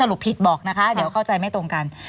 รุปผิดบอกนะคะเดี๋ยวเข้าใจไม่ตรงกัน